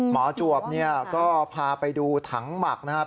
จวบเนี่ยก็พาไปดูถังหมักนะครับ